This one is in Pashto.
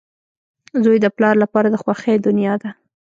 • زوی د پلار لپاره د خوښۍ دنیا ده.